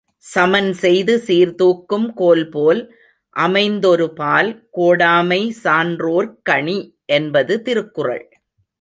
சமன்செய்து சீர்தூக்கும் கோல்போல் அமைந்தொருபால் கோடாமை சான்றோர்க் கணி என்பது திருக்குறள்.